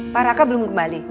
pak raka belum kembali